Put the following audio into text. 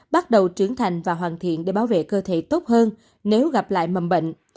bắt đầu trưởng thành và hoàn thiện để bảo vệ cơ thể tốt hơn nếu gặp lại mầm bệnh